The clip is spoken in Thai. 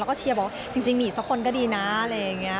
แล้วก็เชียร์บอกจริงมีอีกสักคนก็ดีนะอะไรอย่างนี้